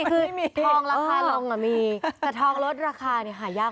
คือทองราคาลงมีแต่ทองลดราคาเนี่ยหายาก